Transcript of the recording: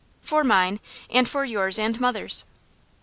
'For mine, and for yours and mother's.